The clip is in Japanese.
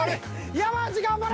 山内頑張れ！